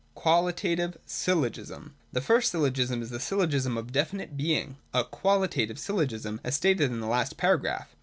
(a) Qualitative Syllogism. 183.] The first syllogism is a syllogism of definite being, — a Qualitative Syllogism, as stated in the last paragraph.